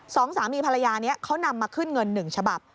สองสามีภรรยานี้เขานำมาขึ้นเงินหนึ่งฉบับ